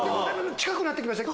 近くなって来ましたよ